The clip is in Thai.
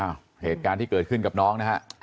เหตุการณ์ที่เกิดขึ้นกับน้องนะฮะ